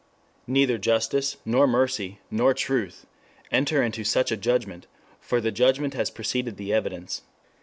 Neither justice, nor mercy, nor truth, enter into such a judgment, for the judgment has preceded the evidence.